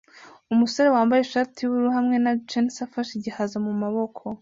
Umusore wambaye ishati yubururu hamwe na jeans afashe igihaza mumaboko